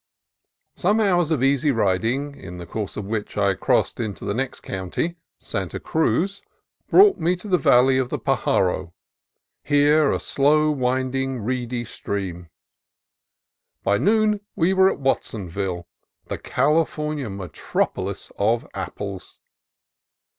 Some hours of easy riding (in the course of which I crossed into the next county, Santa Cruz) brought me to the valley of the Pajaro, here a slow winding, reedy stream. By noon we were at Watsonville, the California metropolis of apples.